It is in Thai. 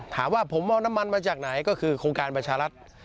ถามว่าผมเอาน้ำมันมาจากไหนก็คือโครงการประชารัฐ